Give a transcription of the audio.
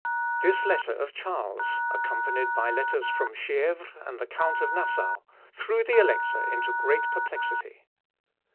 This letter of Charles, accompanied by letters from Chievres and the Count of Nassau, threw the Elector into great perplexity.